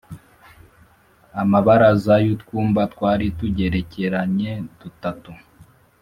Amabaraza y utwumba twari tugerekeranye dutatu